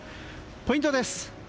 ポイントです。